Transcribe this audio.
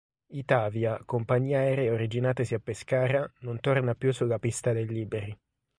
Itavia, compagnia aerea originatasi a Pescara, non torna più sulla pista del Liberi.